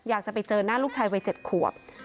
อยากจะไปเจอหน้าลูกชายวัย๗ขวบ